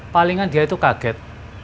palingan dia itu kaget